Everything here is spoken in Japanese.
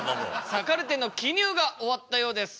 さあカルテの記入が終わったようです。